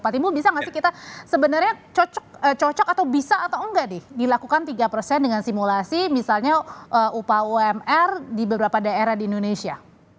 pak timbul bisa nggak sih kita sebenarnya cocok atau bisa atau enggak nih dilakukan tiga persen dengan simulasi misalnya upah umr di beberapa daerah di indonesia